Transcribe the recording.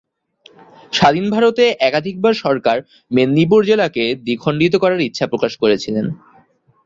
স্বাধীন ভারতে একাধিকবার সরকার মেদিনীপুর জেলাকে দ্বিখণ্ডিত করার ইচ্ছা প্রকাশ করেছিলেন।